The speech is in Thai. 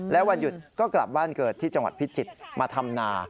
และวันหยุดก็กลับบ้านเกิดที่จังหวัดพิจิตรมาทำนา